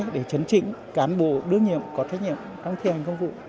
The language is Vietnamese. để chấn chỉnh cán bộ đương nhiệm có trách nhiệm trong thi hành công vụ